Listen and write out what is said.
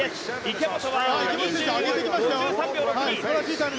池本は５３秒６２。